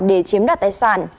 để chiếm đặt tài sản